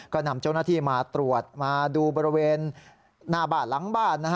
ก็นำเจ้าหน้าที่มาตรวจมาดูบริเวณหน้าบ้านหลังบ้าน